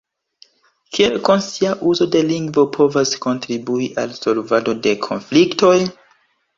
Kiel konscia uzo de lingvo povas kontribui al solvado de konfliktoj?